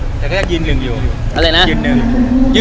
แต่ก็ยินหนึ่งอยู่